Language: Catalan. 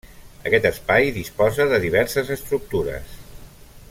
Aquest espai disposa de diverses estructures.